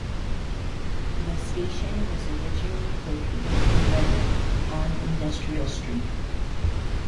The station was originally located in Redding, on Industrial Street.